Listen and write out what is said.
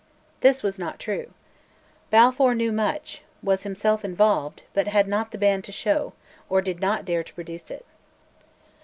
This was not true. Balfour knew much, was himself involved, but had not the band to show, or did not dare to produce it.